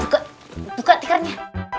buka buka tikernya